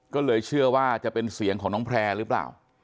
ก็เลยเชื่อว่าจะเป็นเสียงของน้องแพร่หรือเปล่า